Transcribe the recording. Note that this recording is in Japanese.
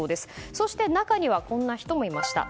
そして中にはこんな人もいました。